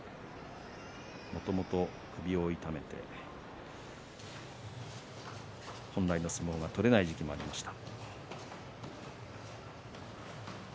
もともと首を痛めて本来の相撲が取れない時期もありました。